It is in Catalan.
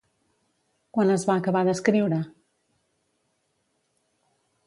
Quan es va acabar d'escriure?